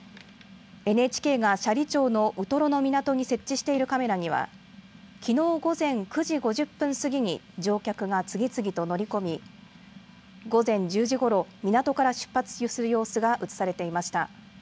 ＮＨＫが斜里町のウトロの港に設置しているカメラにはきのう午前９時５０分過ぎに乗客が次々と乗り込み午前１０時ごろ、港から出発する様子が映されていました。